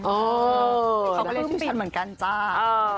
เขาก็เรียกชื่อฉันเหมือนกันจ้า